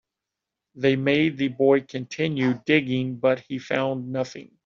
They made the boy continue digging, but he found nothing.